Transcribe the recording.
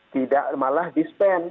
tidak malah di spend